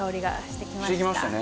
してきましたね。